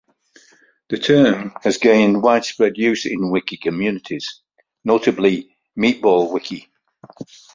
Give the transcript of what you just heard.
The term has gained widespread use in wiki communities, notably MeatballWiki.